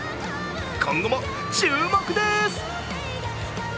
今後も注目です。